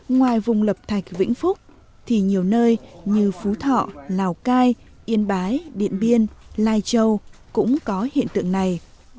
ngoài vùng lập thạch vĩnh phúc thì nhiều nơi như phú thọ lào cai yên bái điện biên lai châu cũng có hiện tượng này